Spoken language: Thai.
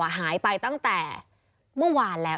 หายไปตั้งแต่เมื่อวานแล้ว